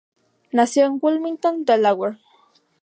Nació en Wilmington, Delaware.